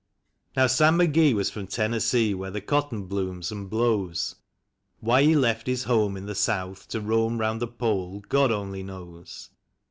Xow Sam McGee was from Tennessee, where the cotton blooms and blows. Why he left his home in the South to roam round the Pole God only knows.